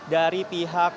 dari pemerintah pusat eva